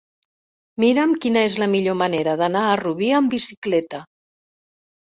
Mira'm quina és la millor manera d'anar a Rubí amb bicicleta.